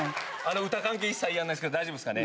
歌関係一切やらないですけど、大丈夫ですかね？